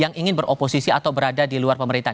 yang ingin beroposisi atau berada di luar pemerintahan